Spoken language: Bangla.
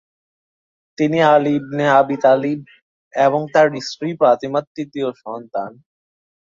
তিনি আলি ইবনে আবি তালিব এবং তার স্ত্রী ফাতিমার তৃতীয় সন্তান।